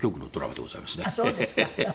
そうですか。